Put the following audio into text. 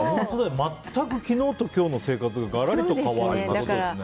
全く昨日と今日の生活ががらりと変わるんですね。